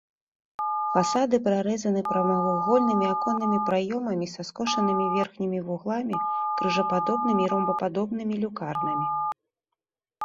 Фасады прарэзаны прамавугольнымі аконнымі праёмамі са скошанымі верхнімі вугламі, крыжападобнымі і ромбападобнымі люкарнамі.